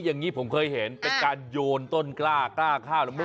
อย่างนี้ผมเคยเห็นเป็นการโยนต้นกล้ากล้าข้าว